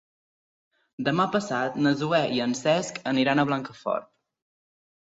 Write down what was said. Demà passat na Zoè i en Cesc aniran a Blancafort.